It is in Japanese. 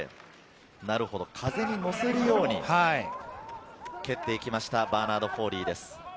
風に乗せるように蹴って行きました、バーナード・フォーリーです。